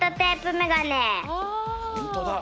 ほんとだ！